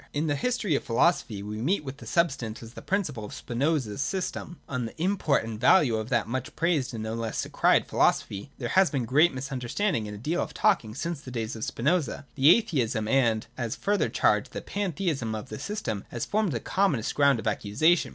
In the history of philosophy we meet with Substance as the principle of Spinoza's system. On the import and value of that much praised and no less decried philosophy there has been great misunderstanding and a deal of talking since the days of Spinoza. The atheism and, as a further charge, the pantheism of the system has formed the commonest ground of accusation.